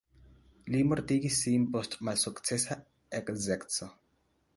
Li mortigis sin post malsukcesa edzeco.